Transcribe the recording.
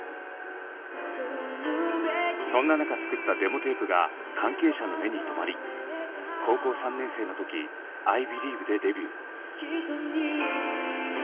そんな中作ったデモテープが関係者の目にとまり高校３年生の時「Ｉｂｅｌｉｅｖｅ」でデビュー。